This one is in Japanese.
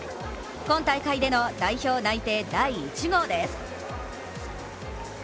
今大会での代表内定第１号です。